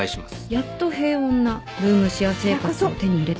やっと平穏なルームシェア生活を手に入れたんです。